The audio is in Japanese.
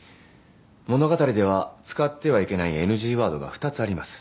物語では使ってはいけないＮＧワードが２つあります